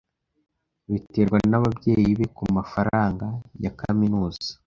Biterwa nababyeyi be kumafaranga ya kaminuza.